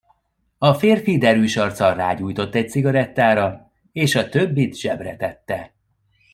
A férfi derűs arccal rágyújtott egy cigarettára, és a többit zsebre tette.